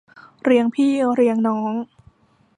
เรียงพี่เรียงน้อง